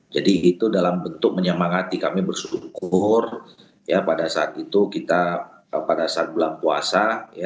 itu dalam bentuk menyemangati kami bersyukur pada saat itu kita pada saat bulan puasa